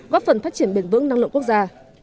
góp phần phát triển bền vững năng lượng quốc gia